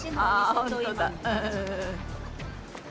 本当だ。